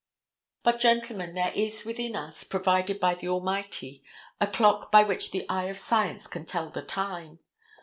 But, Gentlemen, there is within us, provided by the Almighty, a clock by which the eye of science can tell the time.